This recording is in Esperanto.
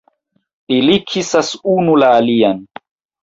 Ili kisas unu la alian!